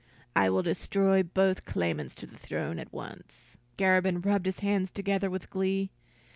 I will destroy both claimants to the throne at once." Garabin rubbed his hands together with glee.